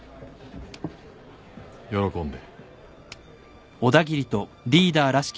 喜んで。